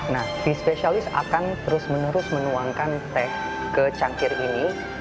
nah si spesialis akan terus menerus menuangkan teh ke cangkir ini